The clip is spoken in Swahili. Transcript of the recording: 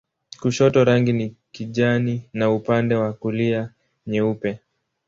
Kushoto rangi ni kijani na upande wa kulia nyeupe.